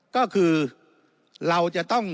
ก็คือเราจะต้อง